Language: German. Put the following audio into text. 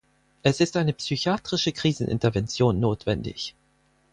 Es ist eine psychiatrische Krisenintervention notwendig.